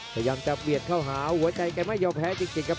พยายามจะเบียดเข้าหาหัวใจแกไม่ยอมแพ้จริงครับ